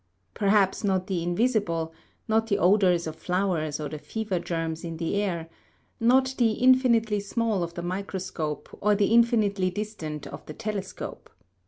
Perhaps not the invisible not the odors of flowers or the fever germs in the air not the infinitely small of the microscope or the infinitely distant of the telescope.